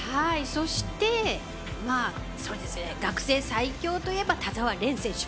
そして、学生最強といえば田澤廉選手。